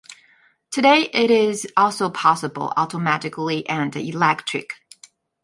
Today it is also possible automatically and electric.